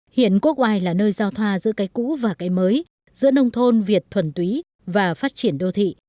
hiện quốc oai là nơi giao thoa giữa cây cũ và cái mới giữa nông thôn việt thuần túy và phát triển đô thị